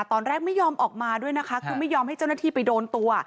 ไม่ยอมออกมาด้วยนะคะคือไม่ยอมให้เจ้าหน้าที่ไปโดนตัว